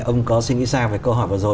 ông có suy nghĩ sao về câu hỏi vừa rồi